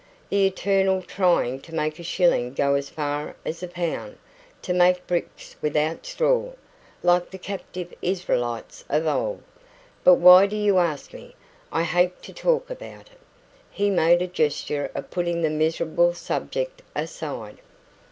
The eternal trying to make a shilling go as far as a pound to make bricks without straw, like the captive Israelites of old. But why do you ask me? I hate to talk about it." He made a gesture of putting the miserable subject aside.